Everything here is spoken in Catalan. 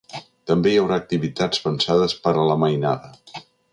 També hi haurà activitats pensades per a la mainada.